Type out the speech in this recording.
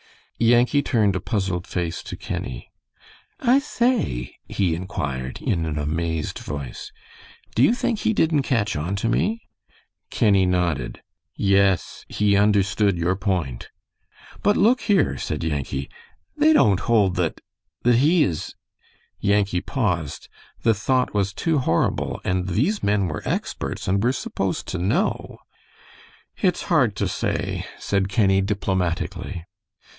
Yankee turned a puzzled face to Kenny. "I say," he inquired, in an amazed voice, "do you think he didn't catch on to me?" Kenny nodded. "Yes, he understood your point." "But look here," said Yankee, "they don't hold that that he is " Yankee paused. The thought was too horrible, and these men were experts, and were supposed to know. "It's hard to say," said Kenny, diplomatically.